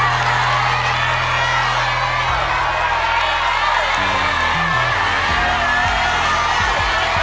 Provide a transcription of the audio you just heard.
ตัดลูกตัด